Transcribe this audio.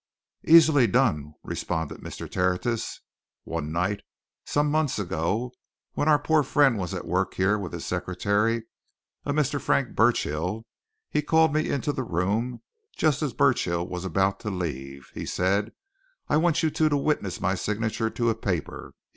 "Easily done," responded Mr. Tertius. "One night, some months ago, when our poor friend was at work here with his secretary, a Mr. Frank Burchill, he called me into the room, just as Burchill was about to leave. He said: 'I want you two to witness my signature to a paper.'